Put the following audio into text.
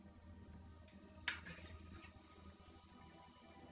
jiragan adekang samin mau bertemu